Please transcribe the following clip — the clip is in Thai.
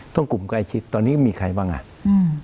กลุ่มใกล้ชิดตอนนี้มีใครบ้างอ่ะอืม